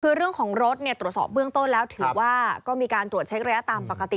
คือเรื่องของรถตรวจสอบเบื้องต้นแล้วถือว่าก็มีการตรวจเช็กระยะตามปกติ